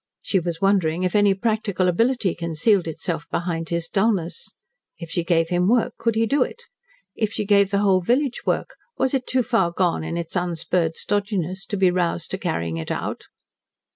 She was wondering if any practical ability concealed itself behind his dullness. If she gave him work, could he do it? If she gave the whole village work, was it too far gone in its unspurred stodginess to be roused to carrying it out?